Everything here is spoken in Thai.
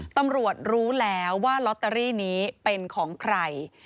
ตำรวจรู้แล้วว่าลอตเตอรี่นี้เป็นของใคร